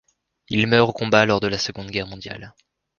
Il meurt au combat lors de la Seconde Guerre mondiale.